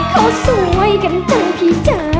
เขาสวยกันจังพี่เจอ